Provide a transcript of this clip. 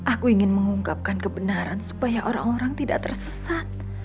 aku ingin mengungkapkan kebenaran supaya orang orang tidak tersesat